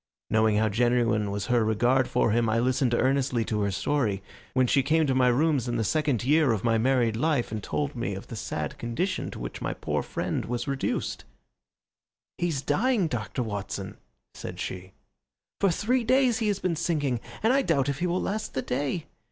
Knowing how genuine was her regard for him, I listened earnestly to her story when she came to my rooms in the second year of my married life and told me of the sad condition to which my poor friend was reduced. "He's dying, Dr. Watson," said she. "For three days he has been sinking, and I doubt if he will last the day.